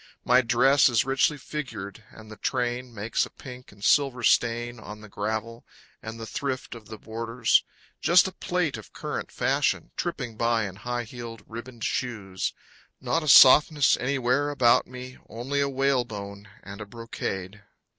My dress is richly figured, And the train Makes a pink and silver stain On the gravel, and the thrift Of the borders. Just a plate of current fashion, Tripping by in high heeled, ribboned shoes. Not a softness anywhere about me, Only a whale bone and brocade.